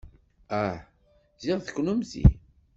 Ah, ziɣ d kennemti.